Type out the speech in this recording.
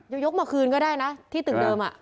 ยกมาคืนก็ได้นะที่ตึกเดิม